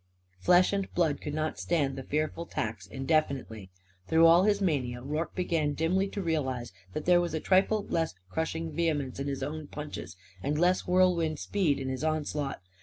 Flesh and blood could not stand the fearful tax indefinitely. Through all his mania Rorke began dimly to realise that there was a trifle less crushing vehemence in his own punches and less whirlwind speed in his onslaught.